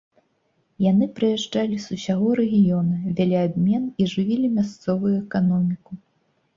Яны прыязджалі з усяго рэгіёна, вялі абмен і жывілі мясцовую эканоміку.